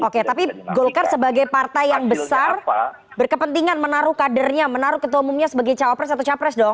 oke tapi golkar sebagai partai yang besar berkepentingan menaruh kadernya menaruh ketua umumnya sebagai cawapres atau capres dong